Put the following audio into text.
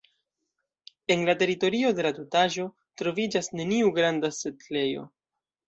En la teritorio de la tutaĵo troviĝas neniu granda setlejo.